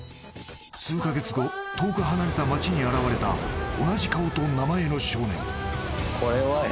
数か月後遠く離れた街に現れた同じ顔と名前の少年。